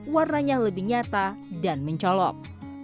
warnanya lebih nyata dan mencolok